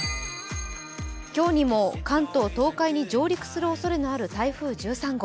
今日にも関東・東海にも上陸するおそれのある台風１３号。